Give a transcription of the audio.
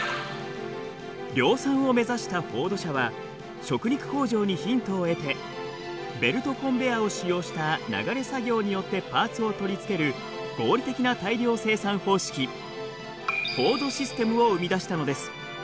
量産を目指したフォード社は食肉工場にヒントを得てベルトコンベヤーを使用した流れ作業によってパーツを取り付ける合理的な大量生産方式フォードシステムを生み出したのです。